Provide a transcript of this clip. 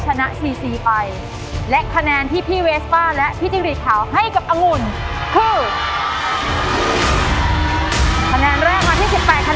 ก็จะเอาคำติชมนะคะคำแนะนำของกรรมการทุกคนนะคะไปปรับใช้กับเพลงที่หนูจะเล่าในทุกเพลงเลยค่ะ